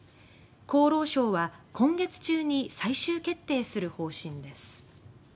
厚労省は、今月中に最終決定する方針です。